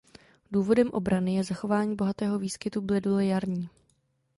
Důvodem ochrany je zachování bohatého výskytu bledule jarní.